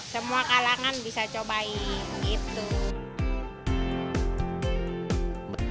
semua kalangan bisa cobain gitu